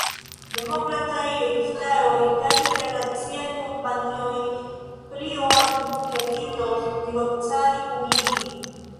Demokrataj registaroj kaj internaciaj kompanioj pli ol nun hezitos, negocadi kun ili.